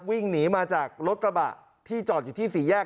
วิ่งหนีมาจากรถกระบะที่จอดอยู่ที่สี่แยก